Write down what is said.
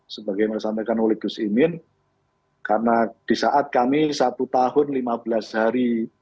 sebagai yang disampaikan oleh gus imin karena di saat kami satu tahun lima belas hari